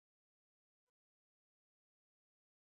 同时中制和中电还云集了几乎当时所有的中国电影精英。